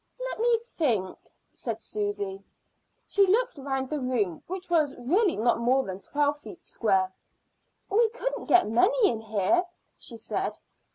"Let me think," said Susy. She looked round the room, which was really not more than twelve feet square. "We couldn't get many in here," she said.